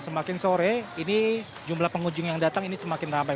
semakin sore ini jumlah pengunjung yang datang ini semakin ramai